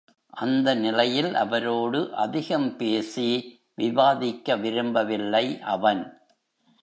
அந்த நிலையில் அவரோடு அதிகம் பேசி விவாதிக்க விரும்பவில்லை அவன்.